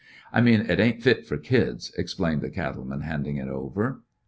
"I mean 't ain't fit for kids," explained the cattle man, handing it over.